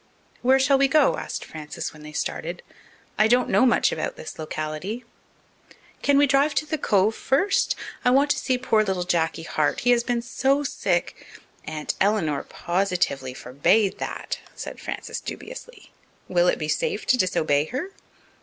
"Where shall we go?" asked Frances when they started. "I don't know much about this locality." "Can we drive to the Cove first? I want to see poor little Jacky Hart. He has been so sick " "Aunt Eleanor positively forbade that," said Frances dubiously. "Will it be safe to disobey her?"